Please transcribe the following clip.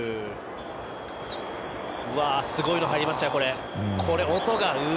すごいのが入りましたよ、また。